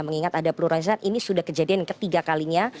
mengingat ada peluruan ini sudah kejadian ketiga kalinya